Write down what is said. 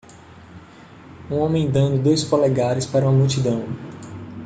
um homem dando dois polegares para uma multidão.